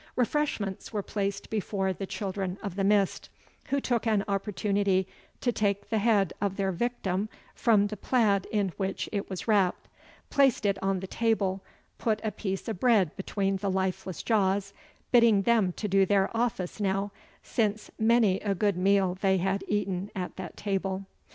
Refreshments were placed before the Children of the Mist, who took an opportunity to take the head of their victim from the plaid in which it was wrapt, placed it on the table, put a piece of bread between the lifeless jaws, bidding them do their office now, since many a good meal they had eaten at that table.